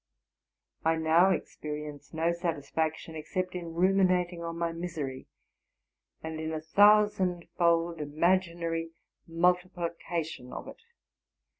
I now experienced no satisfaction except in ruminating on my misery, and in a thousand fold imaginary multiplication of it.